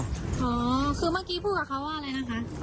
อ๋อคือเมื่อกี้พูดกับเขาว่าอะไรนะคะ